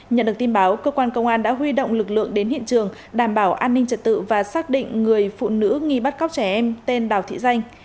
nhận được tin báo cơ quan công an đã huy động lực lượng đến hiện trường đảm bảo an ninh trật tự và xác định người phụ nữ nghi bắt cóc trẻ em tên đào thị danh